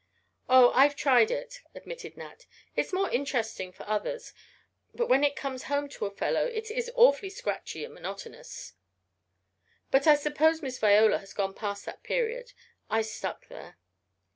"Oh, I've tried it," admitted Nat. "It is more interesting for others, but when it comes home to a fellow it is awfully scratchy and monotonous. But I suppose Miss Viola has gone past that period. I stuck there."